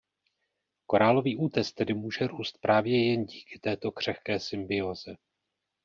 Korálový útes tedy může růst právě jen díky této křehké symbióze.